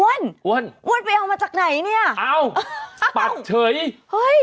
้วนอ้วนอ้วนไปเอามาจากไหนเนี่ยเอาปัดเฉยเฮ้ย